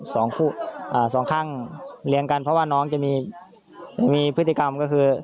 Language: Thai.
สองคู่อ่าสองข้างเลี้ยงกันเพราะว่าน้องจะมีมีพฤติกรรมก็คือ